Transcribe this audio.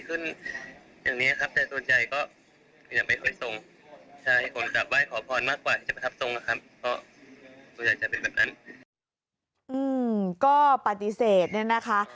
อื้มก็ปฏิเสธนั้นนะคะ